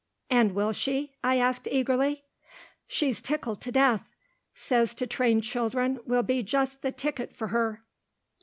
"And will she?" I asked eagerly. "She's tickled to death. Says to train children will be just the ticket for her."